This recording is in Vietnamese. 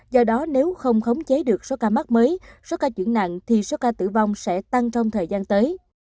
do đó nếu không khống chế được số ca mắc mới số ca chuyển nặng thì số ca tử vong sẽ tăng trong thời gian tới